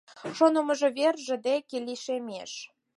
Шонымо верже деке лишемеш.